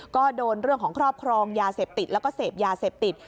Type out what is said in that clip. ก็โดนเรื่องของครอบครองยาเสพติดแล้วก็เสพยาเสพติด